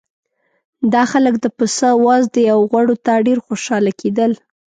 دا خلک د پسه وازدې او غوړو ته ډېر خوشاله کېدل.